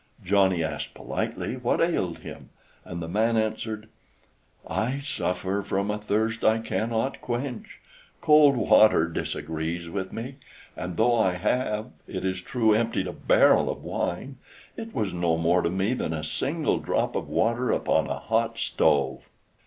Johnny asked politely what ailed him, and the man answered: "I suffer from a thirst I cannot quench. Cold water disagrees with me, and though I have, it is true, emptied a barrel of wine, it was no more to me than a single drop of water upon a hot stone."